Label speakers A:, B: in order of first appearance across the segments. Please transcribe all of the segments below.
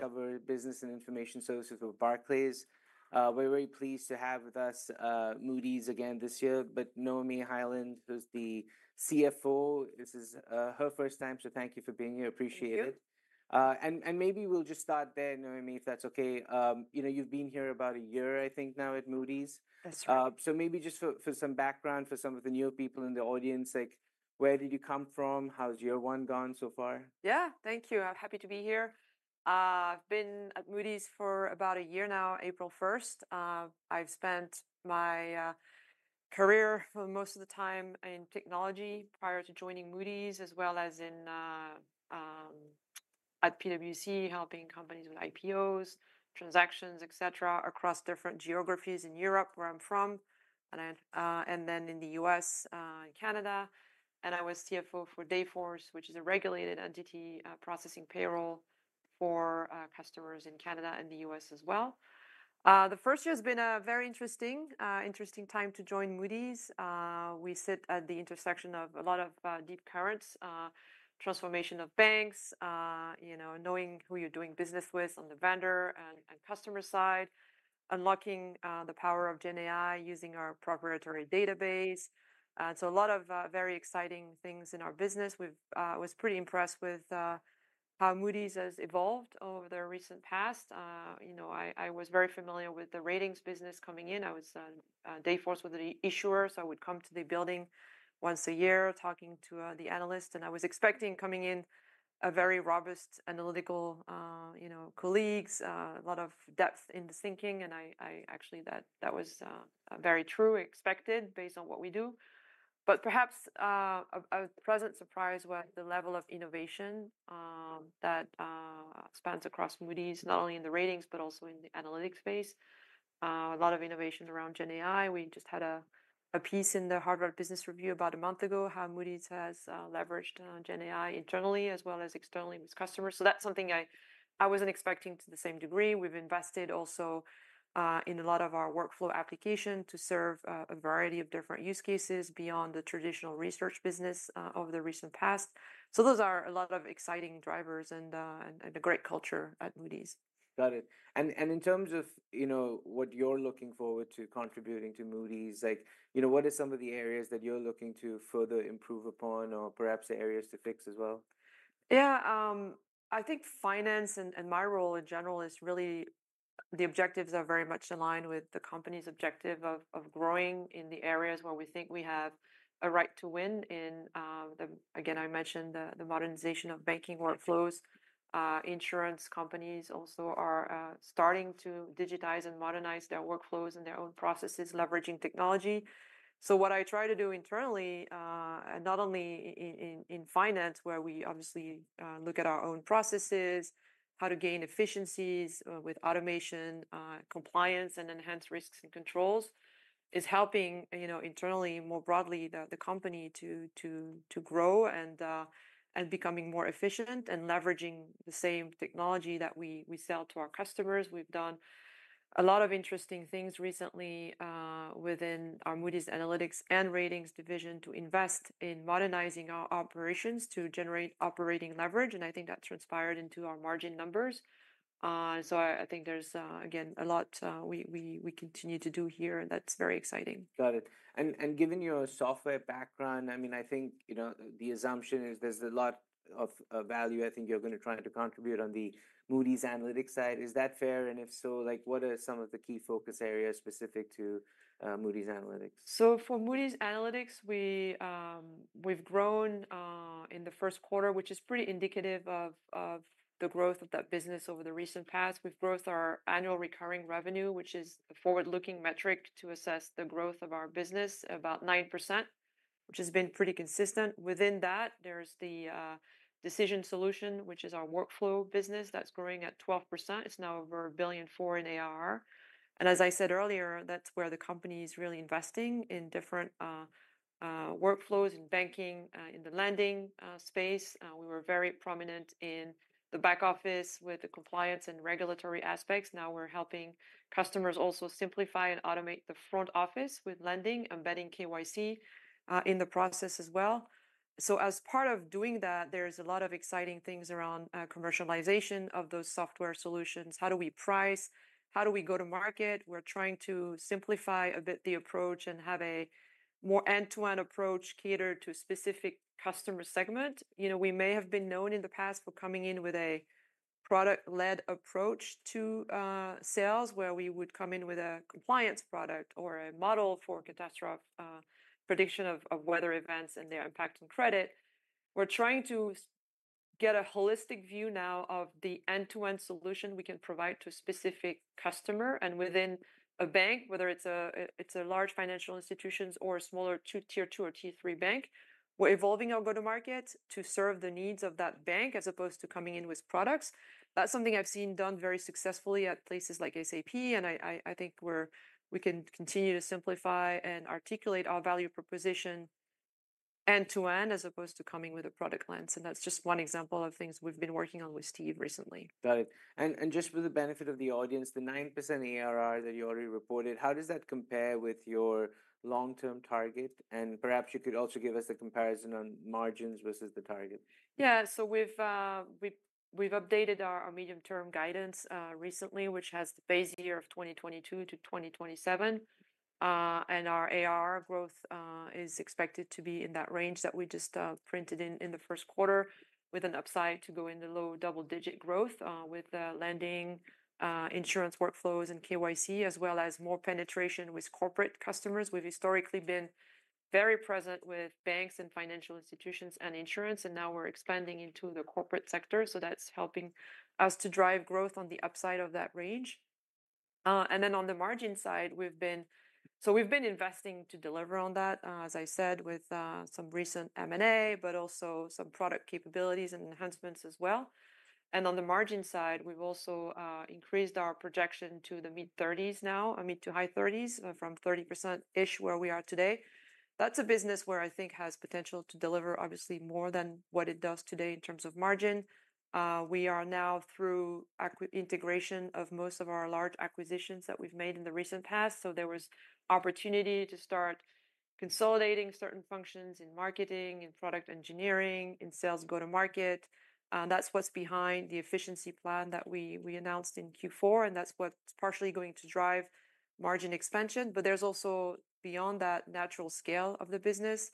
A: Recovery Business and Information Services with Barclays. We're very pleased to have with us Moody's again this year, but Noémie Heuland, who's the CFO, this is her first time, so thank you for being here. Appreciate it. Maybe we'll just start there, Noémie, if that's okay. You've been here about a year, I think, now at Moody's.
B: That's right.
A: Maybe just for some background for some of the new people in the audience, where did you come from? How's your one gone so far?
B: Yeah, thank you. I'm happy to be here. I've been at Moody's for about a year now, April 1st. I've spent my career most of the time in technology prior to joining Moody's, as well as at PwC, helping companies with IPOs, transactions, et cetera, across different geographies in Europe where I'm from, and then in the U.S. and Canada. I was CFO for Dayforce, which is a regulated entity processing payroll for customers in Canada and the U.S. as well. The first year has been a very interesting time to join Moody's. We sit at the intersection of a lot of deep currents, transformation of banks, knowing who you're doing business with on the vendor and customer side, unlocking the power of GenAI using our proprietary database. A lot of very exciting things in our business. I was pretty impressed with how Moody's has evolved over the recent past. I was very familiar with the ratings business coming in. I was at Dayforce with the issuers, so I would come to the building once a year talking to the analysts. I was expecting coming in very robust analytical colleagues, a lot of depth in the thinking. Actually, that was very true, expected based on what we do. Perhaps a pleasant surprise was the level of innovation that spans across Moody's, not only in the ratings, but also in the analytics space. A lot of innovation around GenAI. We just had a piece in the Harvard Business Review about a month ago how Moody's has leveraged GenAI internally as well as externally with customers. That's something I wasn't expecting to the same degree. We've invested also in a lot of our workflow application to serve a variety of different use cases beyond the traditional research business over the recent past. Those are a lot of exciting drivers and a great culture at Moody's.
A: Got it. In terms of what you're looking forward to contributing to Moody's, what are some of the areas that you're looking to further improve upon or perhaps areas to fix as well?
B: Yeah, I think finance and my role in general is really the objectives are very much in line with the company's objective of growing in the areas where we think we have a right to win in. Again, I mentioned the modernization of banking workflows. Insurance companies also are starting to digitize and modernize their workflows and their own processes, leveraging technology. What I try to do internally, not only in finance, where we obviously look at our own processes, how to gain efficiencies with automation, compliance, and enhance risks and controls, is helping internally, more broadly, the company to grow and becoming more efficient and leveraging the same technology that we sell to our customers. We've done a lot of interesting things recently within our Moody's Analytics and Ratings division to invest in modernizing our operations to generate operating leverage. I think that transpired into our margin numbers. I think there's, again, a lot we continue to do here, and that's very exciting.
A: Got it. Given your software background, I mean, I think the assumption is there's a lot of value, I think, you're going to try to contribute on the Moody's Analytics side. Is that fair? If so, what are some of the key focus areas specific to Moody's Analytics?
B: For Moody's Analytics, we've grown in the first quarter, which is pretty indicative of the growth of that business over the recent past. We've grown our annual recurring revenue, which is a forward-looking metric to assess the growth of our business, about 9%, which has been pretty consistent. Within that, there's the Decision Solutions, which is our workflow business that's growing at 12%. It's now over $1 billion in ARR. As I said earlier, that's where the company is really investing in different workflows in banking, in the lending space. We were very prominent in the back office with the compliance and regulatory aspects. Now we're helping customers also simplify and automate the front office with lending, embedding KYC in the process as well. As part of doing that, there's a lot of exciting things around commercialization of those software solutions. How do we price? How do we go to market? We're trying to simplify a bit the approach and have a more end-to-end approach catered to a specific customer segment. We may have been known in the past for coming in with a product-led approach to sales, where we would come in with a compliance product or a model for catastrophic prediction of weather events and their impact on credit. We're trying to get a holistic view now of the end-to-end solution we can provide to a specific customer. Within a bank, whether it's a large financial institution or a smaller tier two or tier three bank, we're evolving our go-to-market to serve the needs of that bank as opposed to coming in with products. That's something I've seen done very successfully at places like SAP. I think we can continue to simplify and articulate our value proposition end-to-end as opposed to coming with a product lens. That is just one example of things we have been working on with Steve recently.
A: Got it. Just for the benefit of the audience, the 9% ARR that you already reported, how does that compare with your long-term target? Perhaps you could also give us a comparison on margins versus the target.
B: Yeah, so we've updated our medium-term guidance recently, which has the base year of 2022-2027. Our ARR growth is expected to be in that range that we just printed in the first quarter, with an upside to go in the low double-digit growth with lending, insurance workflows, and KYC, as well as more penetration with corporate customers. We've historically been very present with banks and financial institutions and insurance. Now we're expanding into the corporate sector. That's helping us to drive growth on the upside of that range. On the margin side, we've been investing to deliver on that, as I said, with some recent M&A, but also some product capabilities and enhancements as well. On the margin side, we've also increased our projection to the mid-30s now, mid to high 30s from 30%-ish where we are today. That's a business where I think has potential to deliver, obviously, more than what it does today in terms of margin. We are now through integration of most of our large acquisitions that we've made in the recent past. There was opportunity to start consolidating certain functions in marketing, in product engineering, in sales, go-to-market. That's what's behind the efficiency plan that we announced in Q4. That's what's partially going to drive margin expansion. There's also beyond that natural scale of the business.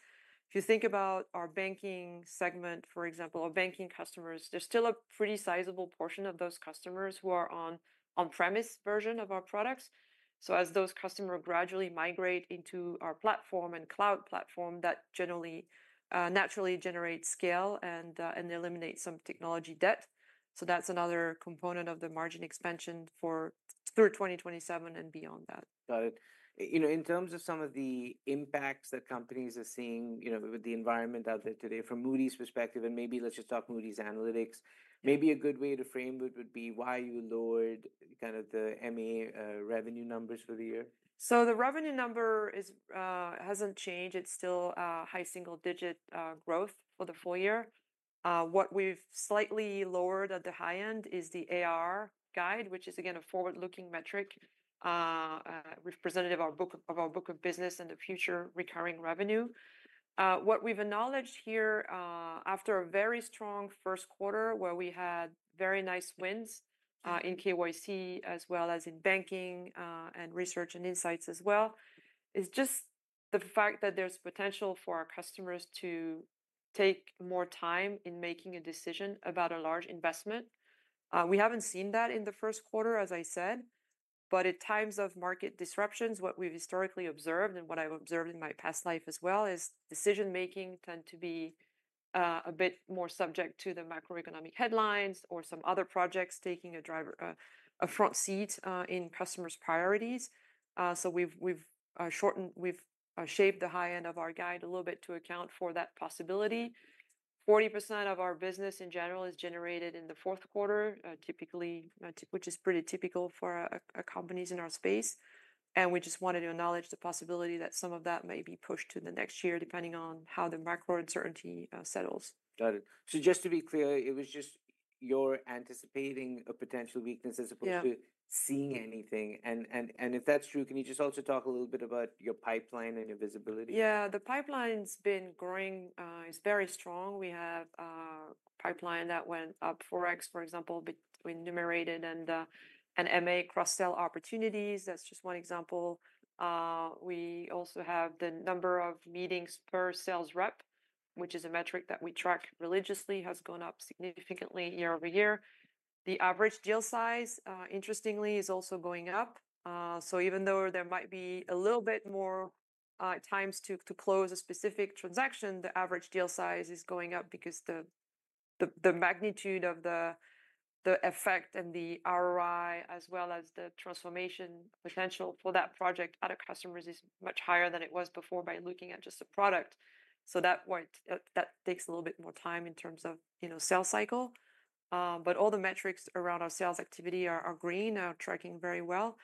B: If you think about our banking segment, for example, our banking customers, there's still a pretty sizable portion of those customers who are on the on-premise version of our products. As those customers gradually migrate into our platform and cloud platform, that generally naturally generates scale and eliminates some technology debt. That's another component of the margin expansion for 2027 and beyond that.
A: Got it. In terms of some of the impacts that companies are seeing with the environment out there today from Moody's perspective, and maybe let's just talk Moody's Analytics, maybe a good way to frame it would be why you lowered kind of the M&A revenue numbers for the year.
B: The revenue number has not changed. It is still high single-digit growth for the full year. What we have slightly lowered at the high end is the ARR guide, which is, again, a forward-looking metric representative of our book of business and the future recurring revenue. What we have acknowledged here after a very strong first quarter, where we had very nice wins in KYC as well as in banking and research and insights as well, is just the fact that there is potential for our customers to take more time in making a decision about a large investment. We have not seen that in the first quarter, as I said, but at times of market disruptions, what we have historically observed and what I have observed in my past life as well is decision-making tends to be a bit more subject to the macroeconomic headlines or some other projects taking a front seat in customers' priorities. We have shaped the high end of our guide a little bit to account for that possibility. 40% of our business in general is generated in the fourth quarter, which is pretty typical for companies in our space. We just wanted to acknowledge the possibility that some of that may be pushed to the next year depending on how the macro uncertainty settles.
A: Got it. Just to be clear, it was just you're anticipating a potential weakness as opposed to seeing anything. If that's true, can you just also talk a little bit about your pipeline and your visibility?
B: Yeah, the pipeline's been growing. It's very strong. We have a pipeline that went up 4x, for example, between Numerated and M&A cross-sell opportunities. That's just one example. We also have the number of meetings per sales rep, which is a metric that we track religiously, has gone up significantly year-over-year. The average deal size, interestingly, is also going up. Even though there might be a little bit more times to close a specific transaction, the average deal size is going up because the magnitude of the effect and the ROI, as well as the transformation potential for that project at a customer's, is much higher than it was before by looking at just the product. That takes a little bit more time in terms of sales cycle. All the metrics around our sales activity are green, are tracking very well.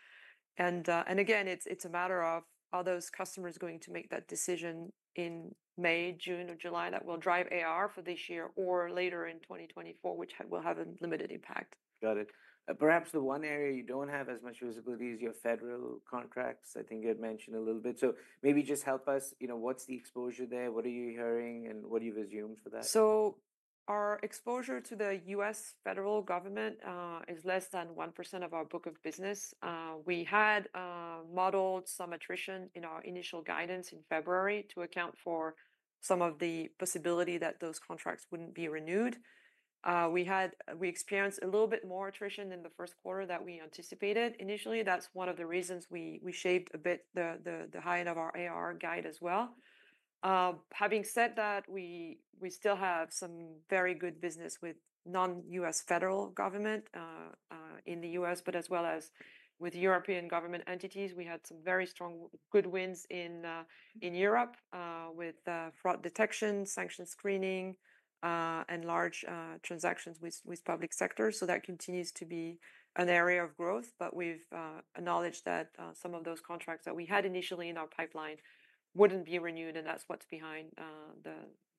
B: It is a matter of are those customers going to make that decision in May, June, or July that will drive ARR for this year or later in 2024, which will have a limited impact.
A: Got it. Perhaps the one area you do not have as much visibility is your federal contracts. I think you had mentioned a little bit. Maybe just help us. What is the exposure there? What are you hearing? What do you presume for that?
B: Our exposure to the U.S. federal government is less than 1% of our book of business. We had modeled some attrition in our initial guidance in February to account for some of the possibility that those contracts would not be renewed. We experienced a little bit more attrition in the first quarter than we anticipated initially. That is one of the reasons we shaped a bit the high end of our ARR guide as well. Having said that, we still have some very good business with non-U.S. federal government in the U.S., as well as with European government entities. We had some very strong good wins in Europe with fraud detection, sanction screening, and large transactions with public sector. That continues to be an area of growth. We have acknowledged that some of those contracts that we had initially in our pipeline would not be renewed. is what is behind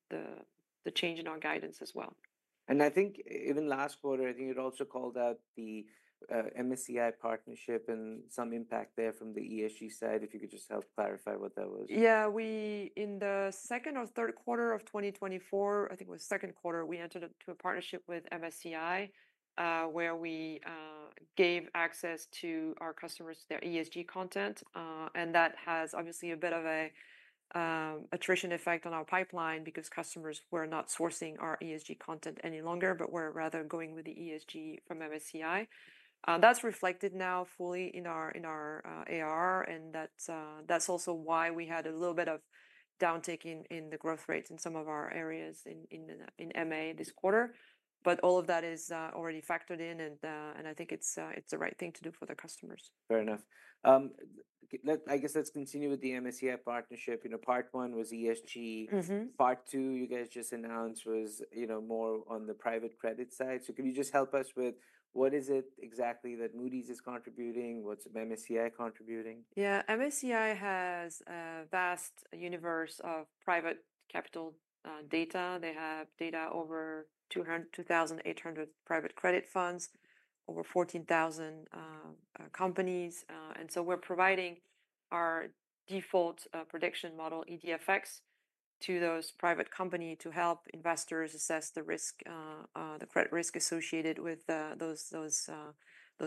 B: the change in our guidance as well.
A: I think even last quarter, I think you'd also called out the MSCI partnership and some impact there from the ESG side. If you could just help clarify what that was.
B: Yeah, in the second or third quarter of 2024, I think it was second quarter, we entered into a partnership with MSCI, where we gave access to our customers to their ESG content. That has obviously a bit of an attrition effect on our pipeline because customers were not sourcing our ESG content any longer, but were rather going with the ESG from MSCI. That is reflected now fully in our ARR. That is also why we had a little bit of downtick in the growth rates in some of our areas in M&A this quarter. All of that is already factored in. I think it is the right thing to do for the customers.
A: Fair enough. I guess let's continue with the MSCI partnership. Part one was ESG. Part two, you guys just announced, was more on the private credit side. Can you just help us with what is it exactly that Moody's is contributing? What's MSCI contributing?
B: Yeah, MSCI has a vast universe of private capital data. They have data over 2,800 private credit funds, over 14,000 companies. We are providing our default prediction model, EDF-X, to those private companies to help investors assess the risk, the credit risk associated with those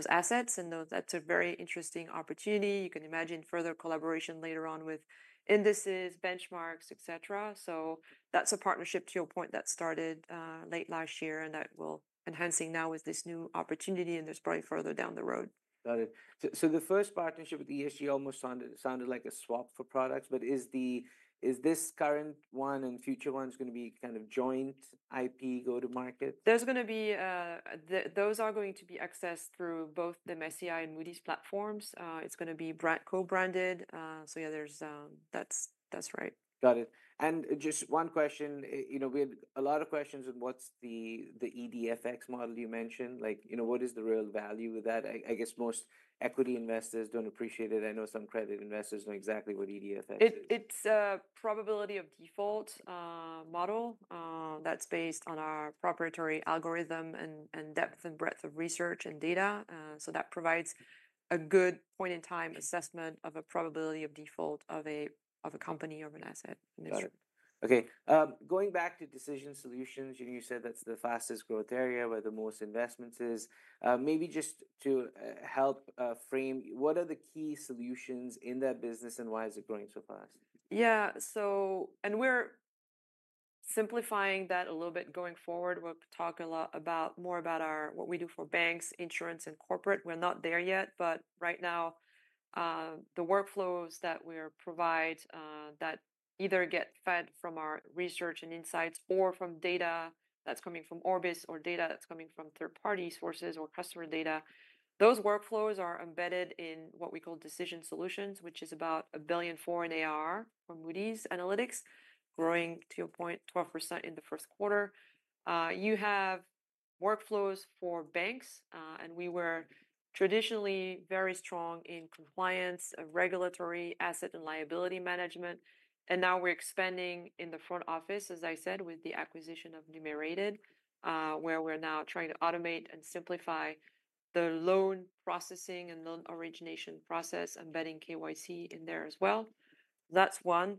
B: assets. That is a very interesting opportunity. You can imagine further collaboration later on with indices, benchmarks, et cetera. That is a partnership, to your point, that started late last year. We are enhancing that now with this new opportunity. There is probably further down the road.
A: Got it. The first partnership with ESG almost sounded like a swap for products. Is this current one and future ones going to be kind of joint IP go-to-market?
B: Those are going to be accessed through both the MSCI and Moody's platforms. It's going to be co-branded. Yeah, that's right.
A: Got it. Just one question. We had a lot of questions on what's the EDF-X model you mentioned. What is the real value of that? I guess most equity investors don't appreciate it. I know some credit investors know exactly what EDF-X is.
B: It's a probability of default model that's based on our proprietary algorithm and depth and breadth of research and data. That provides a good point-in-time assessment of a probability of default of a company or an asset.
A: Got it. Okay. Going back to decision solutions, you said that's the fastest growth area where the most investment is. Maybe just to help frame, what are the key solutions in that business and why is it growing so fast?
B: Yeah. We are simplifying that a little bit going forward. We will talk a lot more about what we do for banks, insurance, and corporate. We are not there yet. Right now, the workflows that we provide that either get fed from our research and insights or from data that is coming from Orbis or data that is coming from third-party sources or customer data, those workflows are embedded in what we call Decision Solutions, which is about a billion dollars ARR for Moody's Analytics, growing, to your point, 12% in the first quarter. You have workflows for banks. We were traditionally very strong in compliance, regulatory, asset, and liability management. Now we are expanding in the front office, as I said, with the acquisition of Numerated, where we are now trying to automate and simplify the loan processing and loan origination process, embedding KYC in there as well. That is one.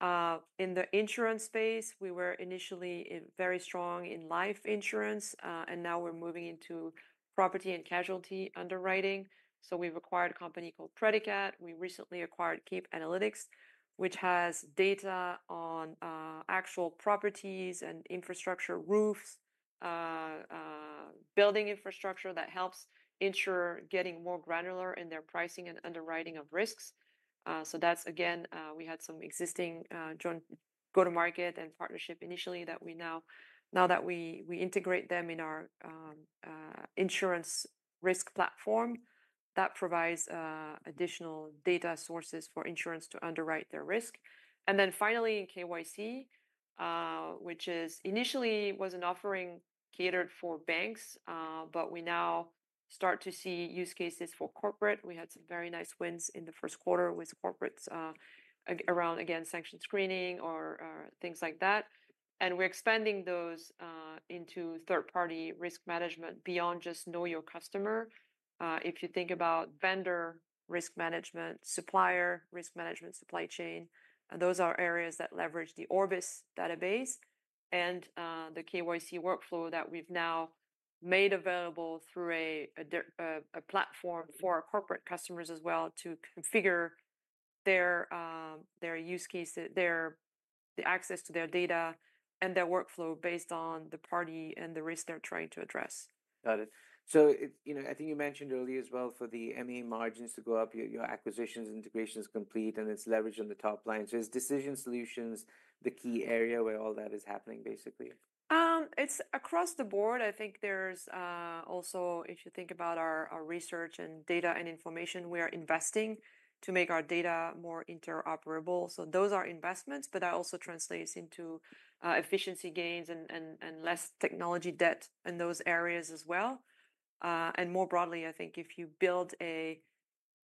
B: In the insurance space, we were initially very strong in life insurance. Now we're moving into property and casualty underwriting. We've acquired a company called PassFort. We recently acquired Keap Analytics, which has data on actual properties and infrastructure, roofs, building infrastructure that helps insurers getting more granular in their pricing and underwriting of risks. We had some existing go-to-market and partnership initially that we now, now that we integrate them in our insurance risk platform, that provides additional data sources for insurers to underwrite their risk. Finally, in KYC, which initially was an offering catered for banks, we now start to see use cases for corporate. We had some very nice wins in the first quarter with corporates around, again, sanction screening or things like that. We're expanding those into third-party risk management beyond just know your customer. If you think about vendor risk management, supplier risk management, supply chain, those are areas that leverage the Orbis database and the KYC workflow that we've now made available through a platform for our corporate customers as well to configure their use cases, the access to their data, and their workflow based on the party and the risk they're trying to address.
A: Got it. I think you mentioned earlier as well for the M&A margins to go up, your acquisitions integration is complete, and it's leveraged on the top line. Is Decision Solutions the key area where all that is happening, basically?
B: It's across the board. I think there's also, if you think about our research and data and information, we are investing to make our data more interoperable. Those are investments, but that also translates into efficiency gains and less technology debt in those areas as well. More broadly, I think if you build a,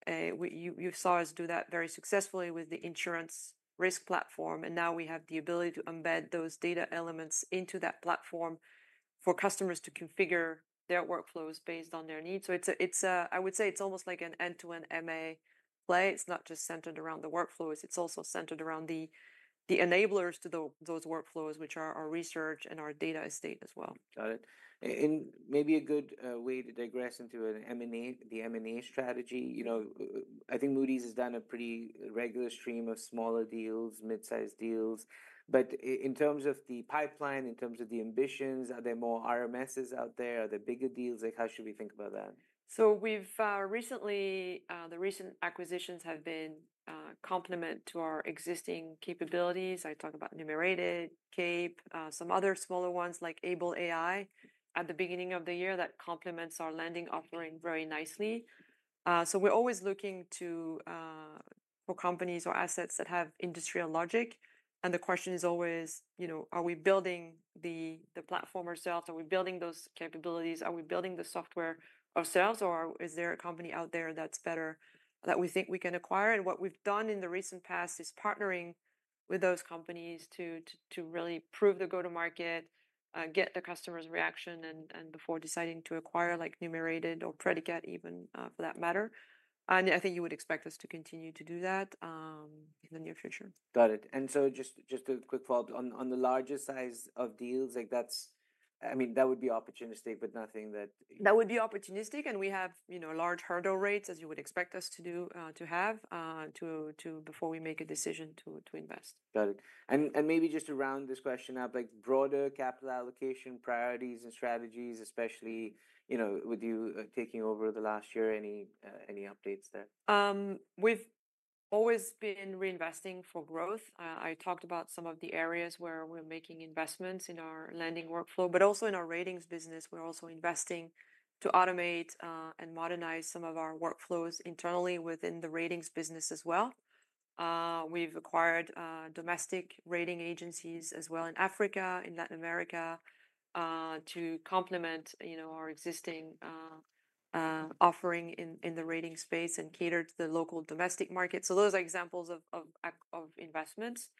B: you saw us do that very successfully with the insurance risk platform. Now we have the ability to embed those data elements into that platform for customers to configure their workflows based on their needs. I would say it's almost like an end-to-end M&A play. It's not just centered around the workflows. It's also centered around the enablers to those workflows, which are our research and our data estate as well.
A: Got it. Maybe a good way to digress into the M&A strategy. I think Moody's has done a pretty regular stream of smaller deals, mid-sized deals. In terms of the pipeline, in terms of the ambitions, are there more RMSs out there? Are there bigger deals? How should we think about that?
B: The recent acquisitions have been a complement to our existing capabilities. I talked about Numerated, Keap, some other smaller ones like Able AI at the beginning of the year that complements our lending offering very nicely. We are always looking for companies or assets that have industrial logic. The question is always, are we building the platform ourselves? Are we building those capabilities? Are we building the software ourselves? Or is there a company out there that's better that we think we can acquire? What we have done in the recent past is partnering with those companies to really prove the go-to-market, get the customer's reaction before deciding to acquire Numerated or PassFort even for that matter. I think you would expect us to continue to do that in the near future.
A: Got it. Just a quick follow-up. On the larger size of deals, I mean, that would be opportunistic, but nothing that.
B: That would be opportunistic. We have large hurdle rates, as you would expect us to have, before we make a decision to invest.
A: Got it. Maybe just to round this question up, broader capital allocation priorities and strategies, especially with you taking over the last year, any updates there?
B: We've always been reinvesting for growth. I talked about some of the areas where we're making investments in our lending workflow. Also in our ratings business, we're investing to automate and modernize some of our workflows internally within the ratings business as well. We've acquired domestic rating agencies in Africa and in Latin America to complement our existing offering in the rating space and cater to the local domestic market. Those are examples of investments.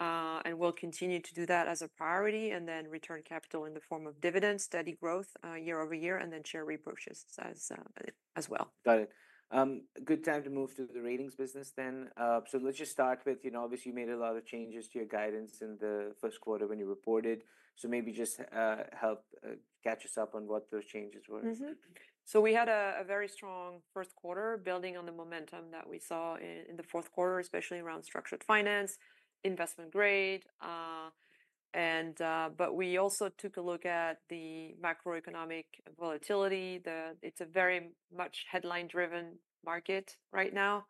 B: We'll continue to do that as a priority and then return capital in the form of dividends, steady growth year-over-year, and share repurchase as well.
A: Got it. Good time to move to the ratings business then. Let's just start with, obviously, you made a lot of changes to your guidance in the first quarter when you reported. Maybe just help catch us up on what those changes were.
B: We had a very strong first quarter, building on the momentum that we saw in the fourth quarter, especially around structured finance, investment grade. We also took a look at the macroeconomic volatility. It's a very much headline-driven market right now.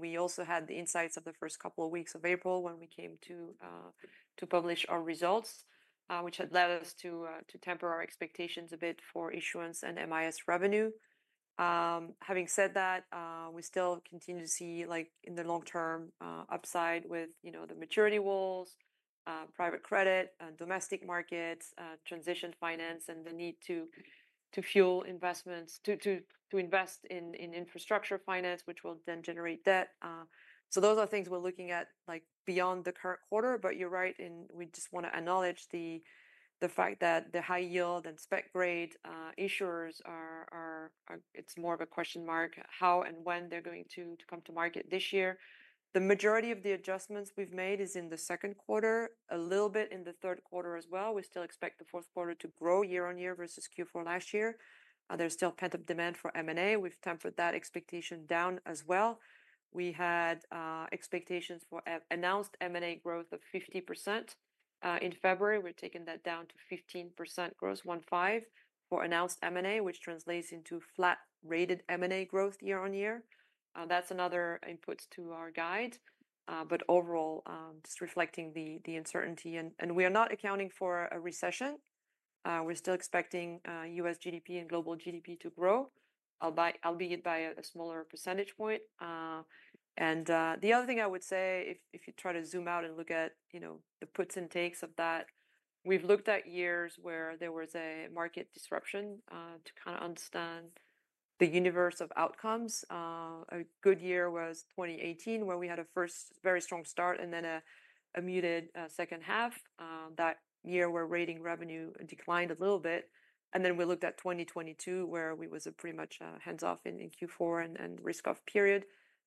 B: We also had the insights of the first couple of weeks of April when we came to publish our results, which had led us to temper our expectations a bit for issuance and MIS revenue. Having said that, we still continue to see in the long term upside with the maturity walls, private credit, domestic markets, transition finance, and the need to fuel investments, to invest in infrastructure finance, which will then generate debt. Those are things we're looking at beyond the current quarter. You're right. We just want to acknowledge the fact that the high yield and spec grade issuers, it's more of a question mark how and when they're going to come to market this year. The majority of the adjustments we've made is in the second quarter, a little bit in the third quarter as well. We still expect the fourth quarter to grow year-on-year versus Q4 last year. There's still pent-up demand for M&A. We've tempered that expectation down as well. We had expectations for announced M&A growth of 50% in February. We're taking that down to 15% growth, 15% for announced M&A, which translates into flat-rated M&A growth year-on-year. That's another input to our guide. Overall, just reflecting the uncertainty. We are not accounting for a recession. We're still expecting U.S. GDP and global GDP to grow, albeit by a smaller percentage point. The other thing I would say, if you try to zoom out and look at the puts and takes of that, we've looked at years where there was a market disruption to kind of understand the universe of outcomes. A good year was 2018, where we had a first very strong start and then a muted second half. That year, our rating revenue declined a little bit. We looked at 2022, where we were pretty much hands-off in Q4 and risk-off period.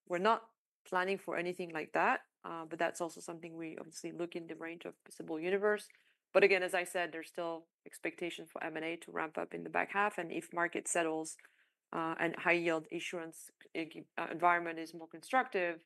B: We're not planning for anything like that. That is also something we obviously look at in the range of the simple universe. Again, as I said, there's still expectation for M&A to ramp up in the back half. If market settles and high-yield issuance environment is more constructive,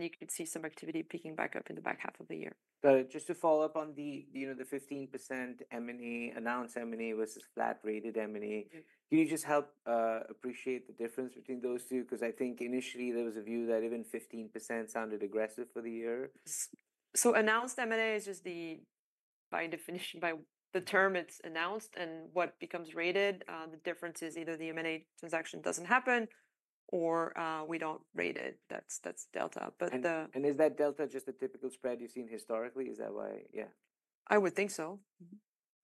B: you could see some activity picking back up in the back half of the year.
A: Got it. Just to follow up on the 15% M&A announced M&A versus flat-rated M&A, can you just help appreciate the difference between those two? Because I think initially, there was a view that even 15% sounded aggressive for the year.
B: Announced M&A is just the, by definition, by the term, it's announced and what becomes rated. The difference is either the M&A transaction doesn't happen or we don't rate it. That's delta.
A: Is that delta just a typical spread you've seen historically? Is that why? Yeah.
B: I would think so.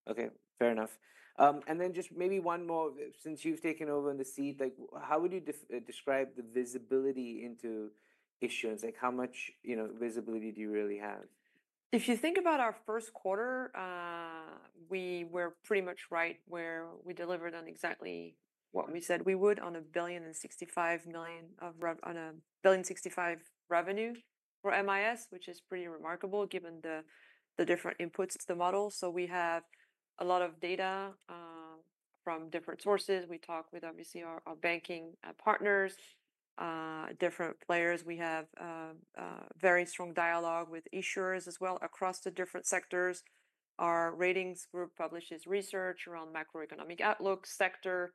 A: Okay. Fair enough. Just maybe one more. Since you've taken over in the seat, how would you describe the visibility into issuance? How much visibility do you really have?
B: If you think about our first quarter, we were pretty much right where we delivered on exactly what we said we would on $1.065 billion of revenue for MIS, which is pretty remarkable given the different inputs to the model. We have a lot of data from different sources. We talk with, obviously, our banking partners, different players. We have very strong dialogue with issuers as well across the different sectors. Our ratings group publishes research around macroeconomic outlook, sector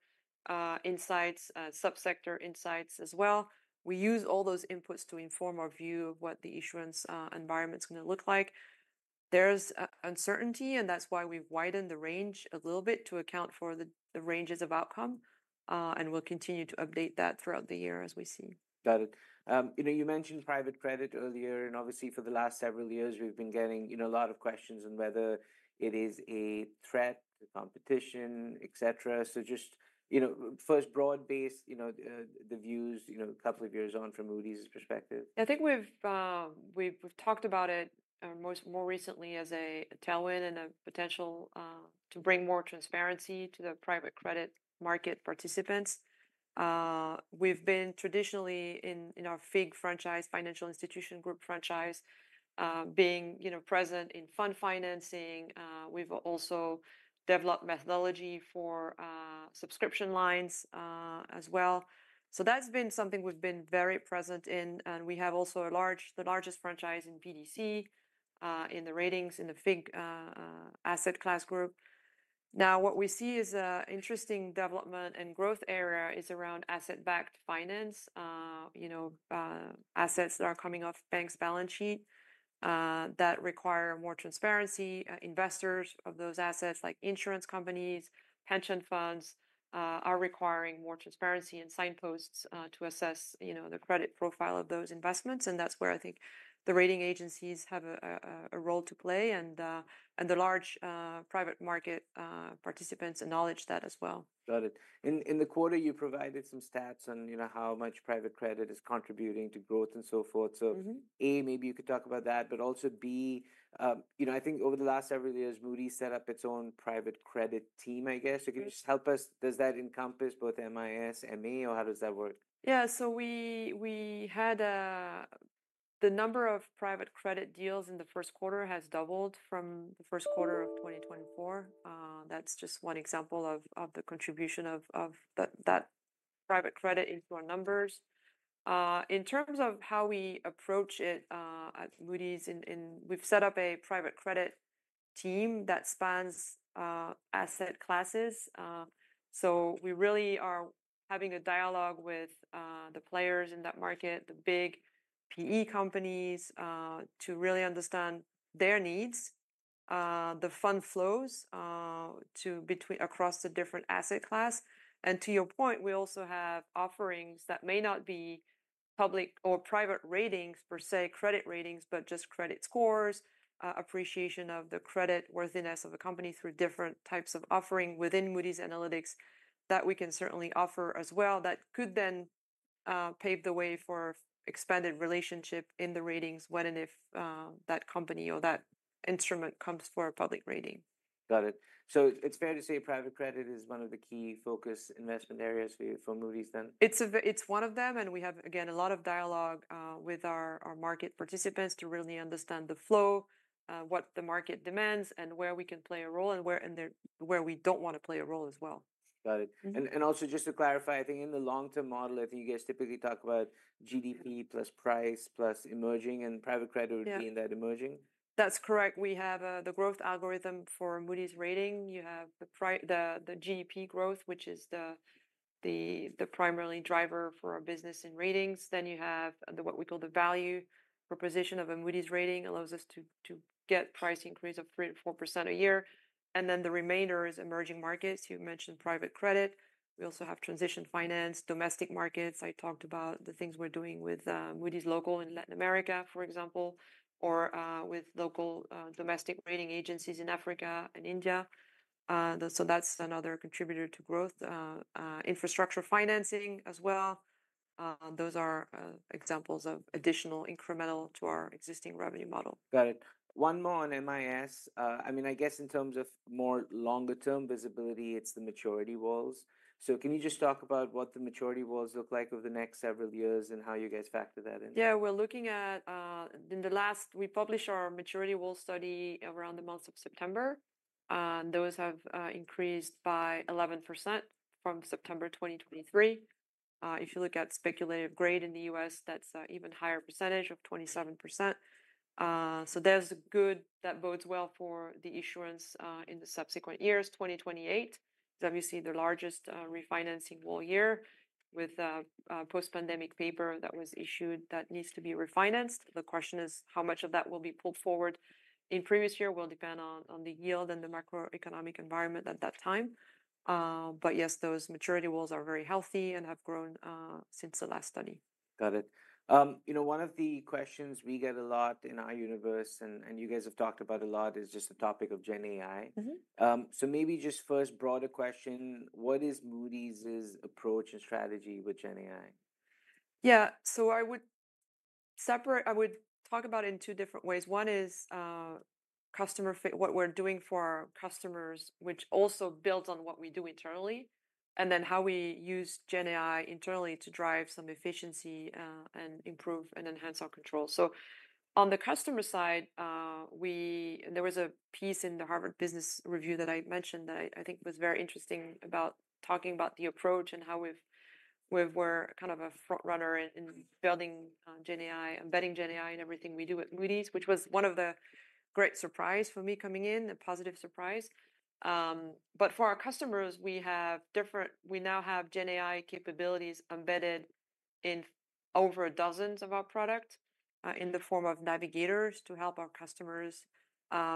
B: insights, subsector insights as well. We use all those inputs to inform our view of what the issuance environment's going to look like. There's uncertainty, which is why we've widened the range a little bit to account for the ranges of outcome. We will continue to update that throughout the year as we see.
A: Got it. You mentioned private credit earlier. Obviously, for the last several years, we've been getting a lot of questions on whether it is a threat, a competition, et cetera. Just first, broad-based the views a couple of years on from Moody's perspective.
B: I think we've talked about it more recently as a tailwind and a potential to bring more transparency to the private credit market participants. We've been traditionally in our FIG franchise, Financial Institutions Group franchise, being present in fund financing. We've also developed methodology for subscription lines as well. That's been something we've been very present in. We have also the largest franchise in PDC in the ratings, in the FIG asset class group. What we see is an interesting development and growth area is around asset-backed finance, assets that are coming off banks' balance sheet that require more transparency. Investors of those assets, like insurance companies, pension funds, are requiring more transparency and signposts to assess the credit profile of those investments. That's where I think the rating agencies have a role to play. The large private market participants acknowledge that as well.
A: Got it. In the quarter, you provided some stats on how much private credit is contributing to growth and so forth. A, maybe you could talk about that. Also, B, I think over the last several years, Moody's set up its own private credit team, I guess. Can you just help us? Does that encompass both MIS, M&E, or how does that work?
B: Yeah. We had the number of private credit deals in the first quarter has doubled from the first quarter of 2024. That's just one example of the contribution of that private credit into our numbers. In terms of how we approach it at Moody's, we've set up a private credit team that spans asset classes. We really are having a dialogue with the players in that market, the big PE companies, to really understand their needs, the fund flows across the different asset class. To your point, we also have offerings that may not be public or private ratings, per se, credit ratings, but just credit scores, appreciation of the credit worthiness of a company through different types of offering within Moody's Analytics that we can certainly offer as well that could then pave the way for expanded relationship in the ratings when and if that company or that instrument comes for a public rating.
A: Got it. So it's fair to say private credit is one of the key focus investment areas for Moody's then?
B: It's one of them. We have, again, a lot of dialogue with our market participants to really understand the flow, what the market demands, and where we can play a role and where we don't want to play a role as well.
A: Got it. Also, just to clarify, I think in the long-term model, I think you guys typically talk about GDP plus price plus emerging and private credit would be in that emerging.
B: That's correct. We have the growth algorithm for Moody's rating. You have the GDP growth, which is the primary driver for our business in ratings. You have what we call the value proposition of a Moody's rating allows us to get price increase of 3%-4% a year. The remainder is emerging markets. You mentioned private credit. We also have transition finance, domestic markets. I talked about the things we're doing with Moody's Local in Latin America, for example, or with local domestic rating agencies in Africa and India. That is another contributor to growth. Infrastructure financing as well. Those are examples of additional incremental to our existing revenue model.
A: Got it. One more on MIS. I mean, I guess in terms of more longer-term visibility, it's the maturity walls. Can you just talk about what the maturity walls look like over the next several years and how you guys factor that in?
B: Yeah. We're looking at, in the last, we published our maturity wall study around the month of September. Those have increased by 11% from September 2023. If you look at speculative grade in the U.S., that's an even higher percentage of 27%. That bodes well for the issuance in the subsequent years, 2028. Obviously, the largest refinancing wall year with a post-pandemic paper that was issued that needs to be refinanced. The question is how much of that will be pulled forward in previous year will depend on the yield and the macroeconomic environment at that time. Yes, those maturity walls are very healthy and have grown since the last study.
A: Got it. One of the questions we get a lot in our universe, and you guys have talked about a lot, is just the topic of GenAI. Maybe just first broader question, what is Moody's' approach and strategy with GenAI?
B: Yeah. I would separate, I would talk about it in two different ways. One is customer fit, what we're doing for our customers, which also builds on what we do internally, and then how we use GenAI internally to drive some efficiency and improve and enhance our control. On the customer side, there was a piece in the Harvard Business Review that I mentioned that I think was very interesting about talking about the approach and how we've kind of a front runner in building GenAI, embedding GenAI in everything we do at Moody's, which was one of the great surprises for me coming in, a positive surprise. For our customers, we have different, we now have GenAI capabilities embedded in over dozens of our products in the form of navigators to help our customers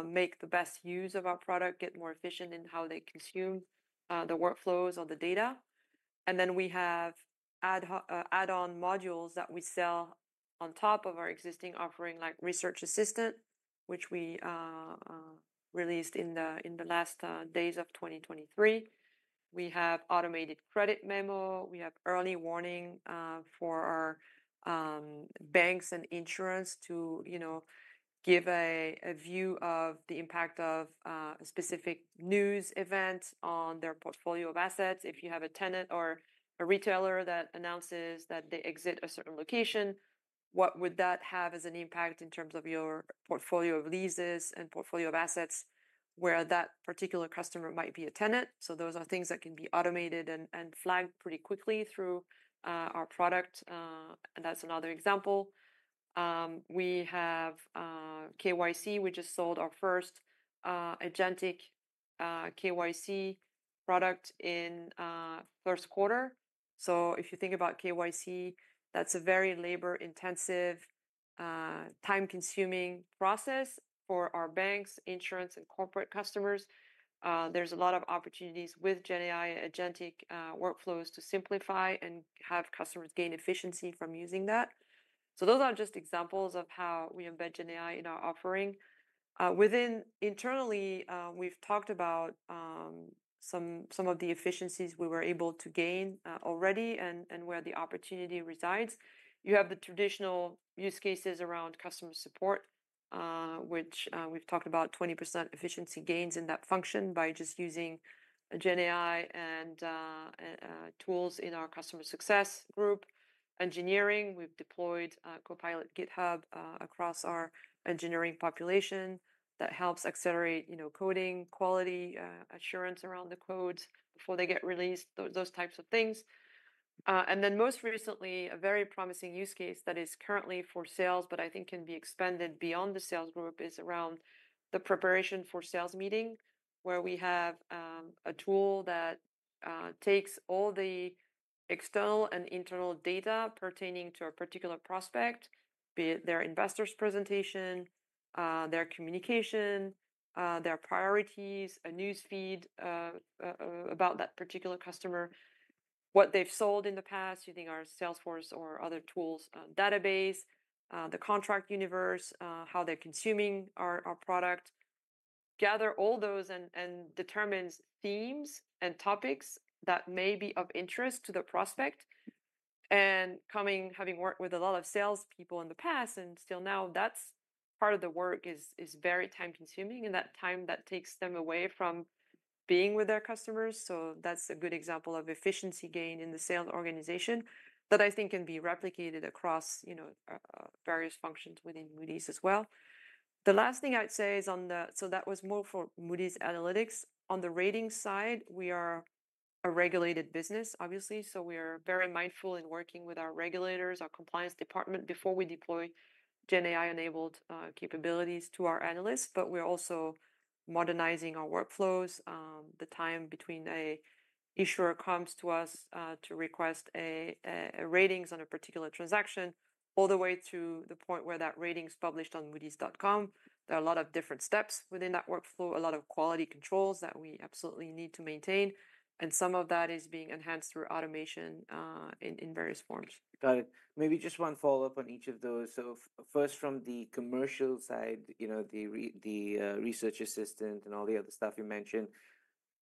B: make the best use of our product, get more efficient in how they consume the workflows or the data. We have add-on modules that we sell on top of our existing offering, like Research Assistant, which we released in the last days of 2023. We have Automated Credit Memo. We have Early Warning for our banks and insurance to give a view of the impact of a specific news event on their portfolio of assets. If you have a tenant or a retailer that announces that they exit a certain location, what would that have as an impact in terms of your portfolio of leases and portfolio of assets where that particular customer might be a tenant? Those are things that can be automated and flagged pretty quickly through our product. That's another example. We have KYC. We just sold our first agentic KYC product in first quarter. If you think about KYC, that's a very labor-intensive, time-consuming process for our banks, insurance, and corporate customers. There are a lot of opportunities with GenAI agentic workflows to simplify and have customers gain efficiency from using that. Those are just examples of how we embed GenAI in our offering. Within internally, we've talked about some of the efficiencies we were able to gain already and where the opportunity resides. You have the traditional use cases around customer support, which we've talked about 20% efficiency gains in that function by just using GenAI and tools in our customer success group. Engineering, we've deployed Copilot GitHub across our engineering population that helps accelerate coding quality assurance around the codes before they get released, those types of things. Most recently, a very promising use case that is currently for sales, but I think can be expanded beyond the sales group, is around the preparation for sales meeting, where we have a tool that takes all the external and internal data pertaining to a particular prospect, be it their investors' presentation, their communication, their priorities, a news feed about that particular customer, what they've sold in the past using our Salesforce or other tools database, the contract universe, how they're consuming our product, gather all those and determines themes and topics that may be of interest to the prospect. Having worked with a lot of salespeople in the past and still now, that's part of the work is very time-consuming and that time that takes them away from being with their customers. That's a good example of efficiency gain in the sales organization that I think can be replicated across various functions within Moody's as well. The last thing I'd say is on the, so that was more for Moody's Analytics. On the rating side, we are a regulated business, obviously. We are very mindful in working with our regulators, our compliance department before we deploy GenAI-enabled capabilities to our analysts. We're also modernizing our workflows, the time between an issuer comes to us to request ratings on a particular transaction, all the way to the point where that rating's published on moodys.com. There are a lot of different steps within that workflow, a lot of quality controls that we absolutely need to maintain. Some of that is being enhanced through automation in various forms.
A: Got it. Maybe just one follow-up on each of those. First, from the commercial side, the research assistant and all the other stuff you mentioned,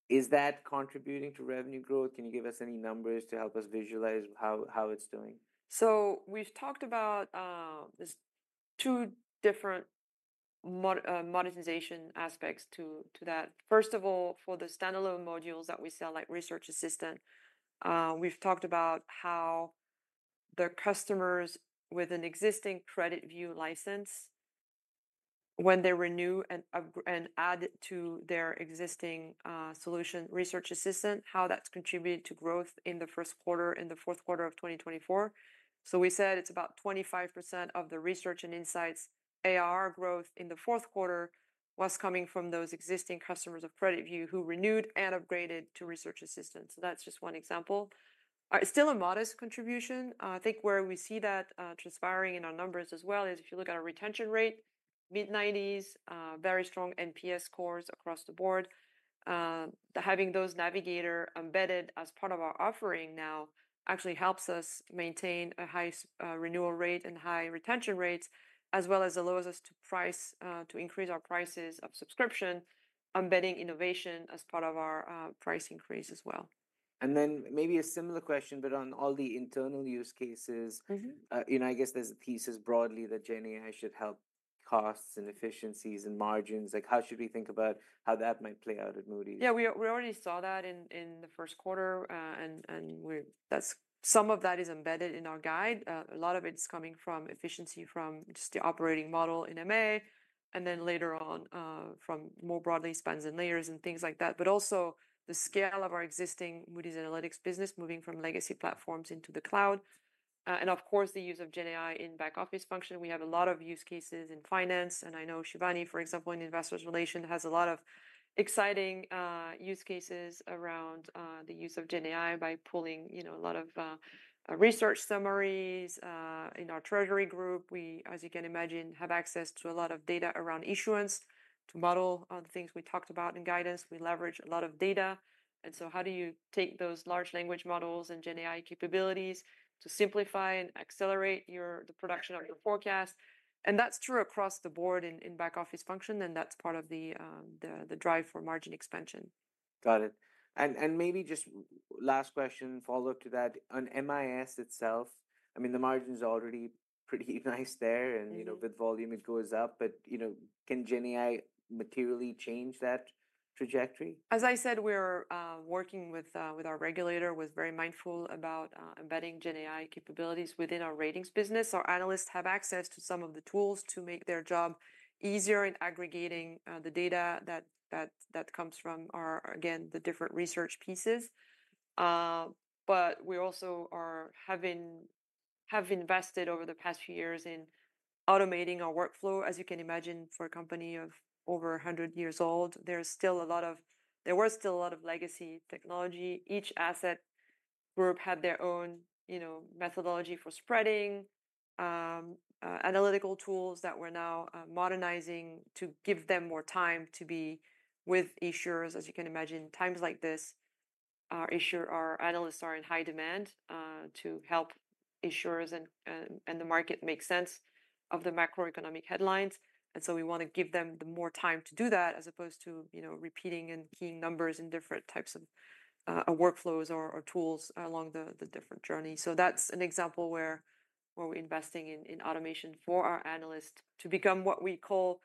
A: is that contributing to revenue growth? Can you give us any numbers to help us visualize how it's doing?
B: We have talked about two different modernization aspects to that. First of all, for the standalone modules that we sell, like Research Assistant, we have talked about how the customers with an existing CreditView license, when they renew and add to their existing solution, Research Assistant, how that has contributed to growth in the first quarter, in the fourth quarter of 2024. We said it is about 25% of the research and insights ARR growth in the fourth quarter was coming from those existing customers of CreditView who renewed and upgraded to Research Assistant. That is just one example. It is still a modest contribution. I think where we see that transpiring in our numbers as well is if you look at our retention rate, mid-90s, very strong NPS scores across the board. Having those navigator embedded as part of our offering now actually helps us maintain a high renewal rate and high retention rates, as well as allows us to increase our prices of subscription, embedding innovation as part of our price increase as well.
A: Maybe a similar question, but on all the internal use cases, I guess there's a thesis broadly that GenAI should help costs and efficiencies and margins. How should we think about how that might play out at Moody's?
B: Yeah, we already saw that in the first quarter. Some of that is embedded in our guide. A lot of it's coming from efficiency from just the operating model in M&A, and then later on from more broadly spans and layers and things like that, but also the scale of our existing Moody's Analytics business moving from legacy platforms into the cloud. Of course, the use of GenAI in back office function. We have a lot of use cases in finance. I know Shivani, for example, in investor relations, has a lot of exciting use cases around the use of GenAI by pulling a lot of research summaries. In our treasury group, we, as you can imagine, have access to a lot of data around issuance to model the things we talked about in guidance. We leverage a lot of data. How do you take those large language models and GenAI capabilities to simplify and accelerate the production of your forecast? That is true across the board in back office function. That is part of the drive for margin expansion.
A: Got it. Maybe just last question, follow-up to that. On MIS itself, I mean, the margin's already pretty nice there. With volume, it goes up. Can GenAI materially change that trajectory?
B: As I said, we're working with our regulator, was very mindful about embedding GenAI capabilities within our ratings business. Our analysts have access to some of the tools to make their job easier in aggregating the data that comes from, again, the different research pieces. We also have invested over the past few years in automating our workflow. As you can imagine, for a company of over 100 years old, there was still a lot of legacy technology. Each asset group had their own methodology for spreading, analytical tools that we're now modernizing to give them more time to be with issuers. As you can imagine, times like this, our analysts are in high demand to help issuers and the market make sense of the macroeconomic headlines. We want to give them more time to do that as opposed to repeating and keying numbers in different types of workflows or tools along the different journey. That is an example where we are investing in automation for our analysts to become what we call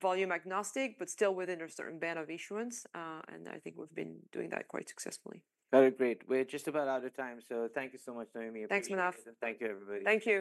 B: volume agnostic, but still within a certain band of issuance. I think we have been doing that quite successfully.
A: That'd be great. We're just about out of time. Thank you so much, Noémie.
B: Thanks, Manav.
A: Thank you, everybody.
B: Thank you.